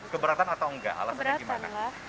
keberatan atau enggak alasannya gimana